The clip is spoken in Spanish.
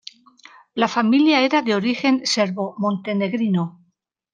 La familia era de origen serbo-montenegrino.